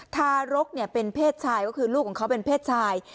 ทารกเป็นเพศชายก็คือลูกของเขาเป็นเพศชาย